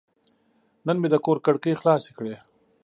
نن مې د کور کړکۍ خلاصې کړې.